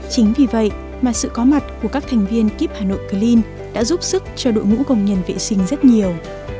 chính vì vậy mà sự có mặt của các thành viên kep hà nội clean đã giúp sức cho đội ngũ công nhân vệ sinh rất nhiều